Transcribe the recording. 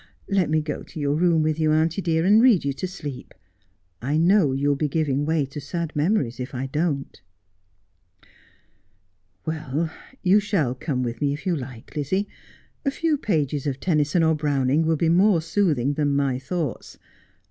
Let me go to your room with you, auntie dear, and read you to sleep. I know you will be giving way to sad memories if I don't.' ' Well, you shall come with me if you like, Lizzie. A few pages of Tennyson or Browning will be more soothing than my thoughts.